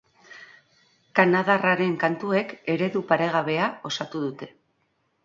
Kanadarraren kantuek eredu paregabea osatu dute.